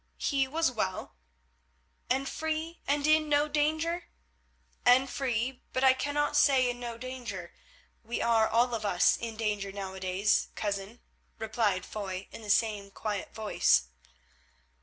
"He was well." "And free and in no danger?" "And free, but I cannot say in no danger. We are all of us in danger nowadays, cousin," replied Foy in the same quiet voice.